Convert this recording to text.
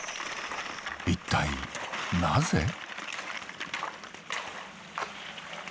一体なぜ？